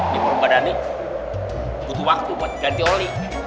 di permadani butuh waktu buat ganti oli